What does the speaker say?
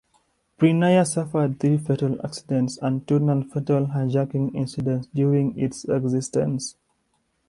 Prinair suffered three fatal accidents and two non-fatal hijacking incidents during its existence.